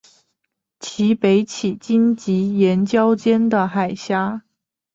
其北起荆棘岩礁间的海峡。